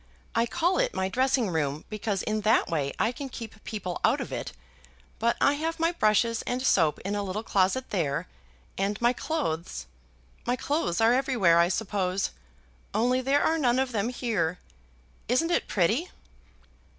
"I call it my dressing room because in that way I can keep people out of it, but I have my brushes and soap in a little closet there, and my clothes, my clothes are everywhere I suppose, only there are none of them here. Isn't it pretty?"